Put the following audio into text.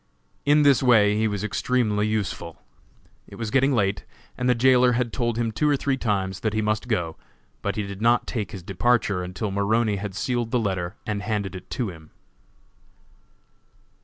In this way he was extremely useful. It was getting late, and the jailer had told him two or three times that he must go, but he did not take his departure until Maroney had sealed the letter and handed it to him.